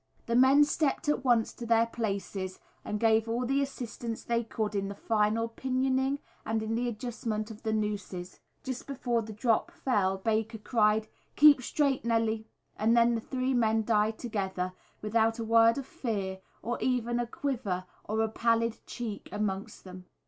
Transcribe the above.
The men stepped at once to their places and gave all the assistance they could in the final pinioning and in the adjustment of the nooses. Just before the drop fell Baker cried, "Keep straight, Nellie!" and then the three men died together, without a word of fear or even a quiver or a pallid cheek amongst them.